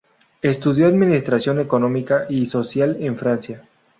Estudió administración económica y social en Francia.